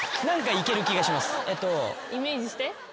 イメージして。